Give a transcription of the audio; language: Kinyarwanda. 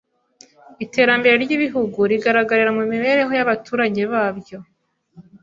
Iterambere ry’ibihugu rigaragarira mu mibereho y’abaturage babyo